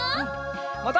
また。